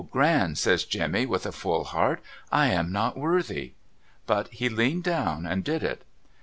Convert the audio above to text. O Gran,' says Jemmy with a full heart ' I am not worthy 1 ' But he leaned down and did it.